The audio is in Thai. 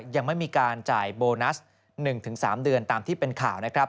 ยังไม่มีการจ่ายโบนัส๑๓เดือนตามที่เป็นข่าวนะครับ